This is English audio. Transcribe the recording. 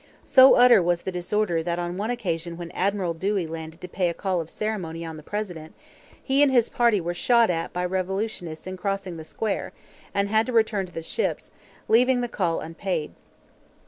So utter was the disorder that on one occasion when Admiral Dewey landed to pay a call of ceremony on the President, he and his party were shot at by revolutionists in crossing the square, and had to return to the ships, leaving the call unpaid.